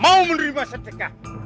mau menerima sedekah